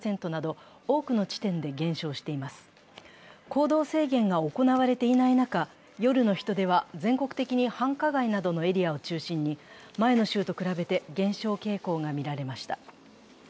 行動制限が行われていない中、夜の人出は全国的に繁華街などのエリアを中心に減少傾向がみられました。